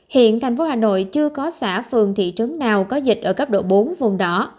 hiện thành phố hà nội chưa có xã phường thị trấn nào có dịch ở cấp độ bốn vùng đỏ